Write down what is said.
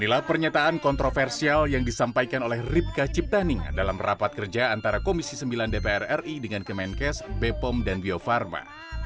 inilah pernyataan kontroversial yang disampaikan oleh ripka ciptaning dalam rapat kerja antara komisi sembilan dpr ri dengan kemenkes bepom dan bio farma